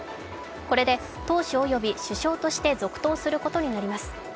これで党首及び首相として続投することになります。